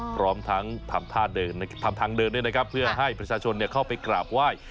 พร้อมทั้งทำท่าเดินทำทางเดินด้วยนะครับเพื่อให้ประชาชนเข้าไปกราบไหว้